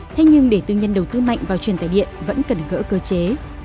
thế nhưng để tư nhân đầu tư mạnh vào truyền tài điện vẫn cần gỡ cơ chế